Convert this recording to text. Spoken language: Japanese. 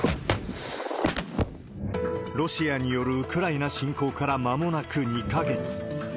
ロシアによるウクライナ侵攻からまもなく２か月。